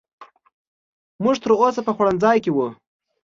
موږ تر اوسه په خوړنځای کې وو.